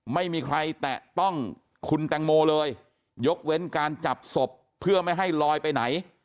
ไม่มีใครแตะต้องคุณแตงโมเลยยกเว้นการจับศพเพื่อไม่ให้ลอยไปไหน